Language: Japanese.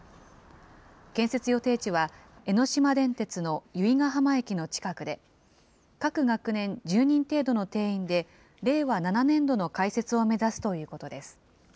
建設予定地は、江ノ島電鉄の由比ヶ浜駅の近くで、各学年１０人程度の定員で、令和７年度の開設を目指すということです。